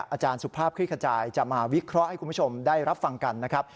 อาจารย์สุภาพคลิกขจายจะมาวิเคราะห์ให้คุณผู้ชมได้รับฟังกันนะครับ